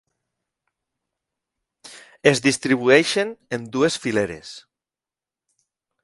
Es distribueixen en dues fileres.